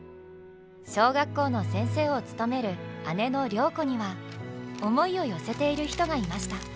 小学校の先生を務める姉の良子には思いを寄せている人がいました。